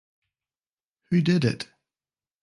Who Did It?